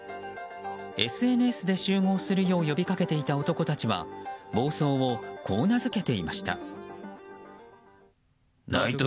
ＳＮＳで集合するよう呼びかけていた男たちは暴走をこう名付けていました。